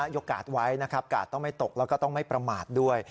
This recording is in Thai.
โอกาสไว้นะครับกาดต้องไม่ตกแล้วก็ต้องไม่ประมาทด้วย